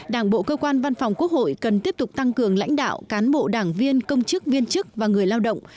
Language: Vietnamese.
đảng bộ cơ quan văn phòng quốc hội cần tiếp tục tăng cường lãnh đạo cán bộ đảng viên công chức viên chức và người lao động